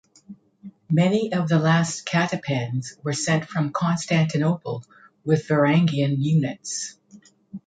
Many of the last catepans were sent from Constantinople with Varangian units.